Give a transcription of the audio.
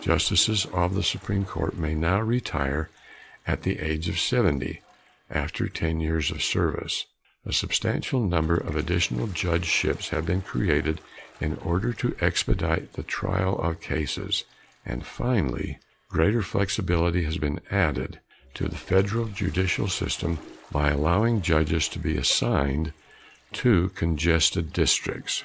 Justices of the Supreme Court may now retire at the age of seventy after ten years of service; a substantial number of additional judgeships have been created in order to expedite the trial of cases; and finally greater flexibility has been added to the federal judicial system by allowing judges to be assigned to congested districts.